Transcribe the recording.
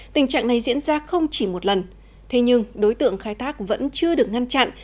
tình trạng này diễn ra không chỉ một lần thế nhưng đối tượng khai thác vẫn chưa được ngăn chặn